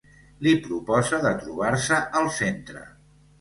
Li proposa de trobar-se al centre.